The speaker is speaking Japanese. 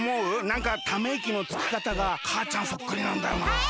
なんかためいきのつきかたがかあちゃんそっくりなんだよなあ。